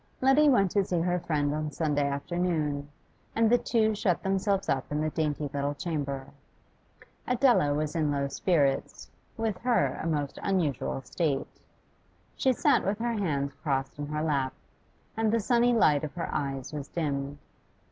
Letty went to see her friend on Sunday afternoon, and the two shut themselves up in the dainty little chamber. Adela was in low spirits; with her a most unusual state. She sat with her hands crossed on her lap, and the sunny light of her eyes was dimmed.